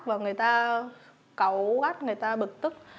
và người ta cấu gắt người ta bực tức